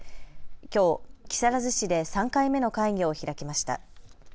きょう木更津市で３回目の会議を開きました。